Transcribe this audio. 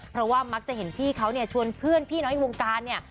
เพราะว่ามักจะเห็นพี่เขาเนี่ยชวนเพื่อนพี่น้องในวงการเนี่ย